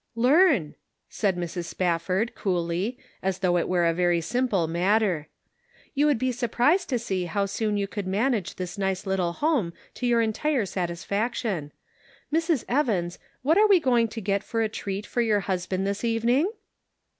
"Learn," said Mrs. Spafford, coolly, as though it were a very simple matter; ' you would be surprised to see how soon you could manage this nice little home to your entire satisfaction. Mrs. Evans, what are we going to get for a treat for your husband this evening